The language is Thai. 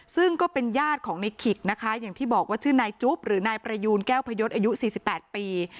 ซึ่งก็เป็นญาติของในขิกนะคะอย่างที่บอกว่าชื่อนายจุ๊บหรือนายประยูนแก้วพยศอายุ๔๘ปี